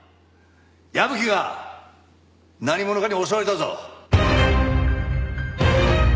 矢吹が何者かに襲われたぞ。